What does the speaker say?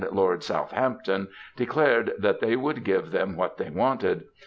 Lord Southampton, declared they would give them what they wanted.